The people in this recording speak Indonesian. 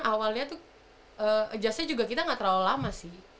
awalnya tuh adjustnya juga kita gak terlalu lama sih